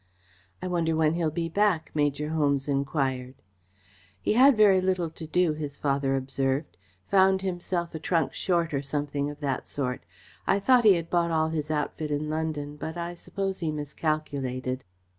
"I wonder when he'll be back?" Major Holmes enquired. "He had very little to do," his father observed. "Found himself a trunk short, or something of that sort. I thought he had bought all his outfit in London, but I suppose he miscalculated."